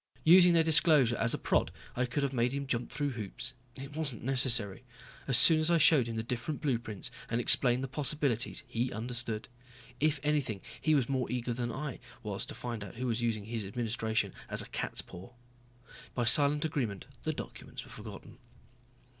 Using their disclosure as a prod I could have made him jump through hoops. It wasn't necessary. As soon as I showed him the different blueprints and explained the possibilities he understood. If anything, he was more eager than I was to find out who was using his administration as a cat's paw. By silent agreement the documents were forgotten.